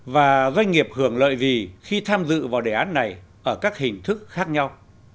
và doanh nghiệp hưởng lợi gì khi tham dự vào đề án này ở các hình thức khác nhau